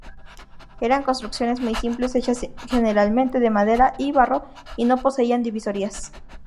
Eran construcciones muy simples hechas generalmente de madera y barro y no poseían divisorias.